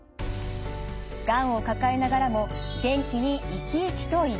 がんを抱えながらも元気に生き生きと生きる。